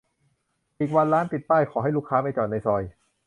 อีกวันร้านติดป้ายขอให้ลูกค้าไปจอดในซอย